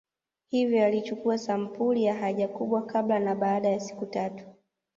Hivyo alichukua sampuli ya haja kubwa kabla na baada ya siku tatu